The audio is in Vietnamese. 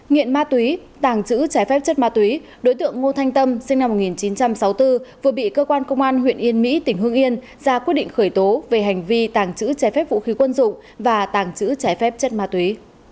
nghiện ma túy tàng trữ trái phép chất ma túy đối tượng ngô thanh tâm sinh năm một nghìn chín trăm sáu mươi bốn vừa bị cơ quan công an huyện yên mỹ tỉnh hương yên ra quyết định khởi tố về hành vi tàng trữ trái phép vũ khí quân dụng và tàng trữ trái phép chất ma túy